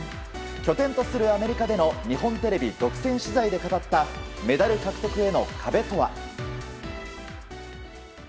拠点とするアメリカでの日本テレビ独占取材で語ったメダル獲得への壁とは。